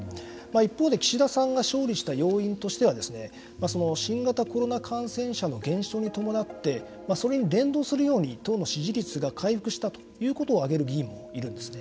一方で岸田さんが勝利した要因としては新型コロナ感染者の減少に伴ってそれに連動するように党の支持率が回復したということを挙げる議員もいるんですね。